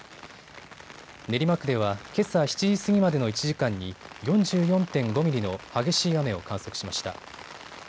練馬区ではけさ７時過ぎまでの１時間に４４．５ミリの激しい雨を観測しました。